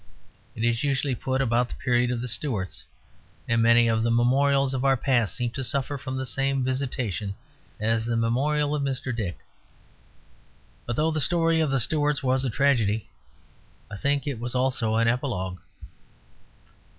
It is usually put about the period of the Stuarts; and many of the memorials of our past seem to suffer from the same visitation as the memorial of Mr. Dick. But though the story of the Stuarts was a tragedy, I think it was also an epilogue.